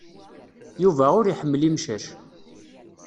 Yuba ur iḥemmel imcac.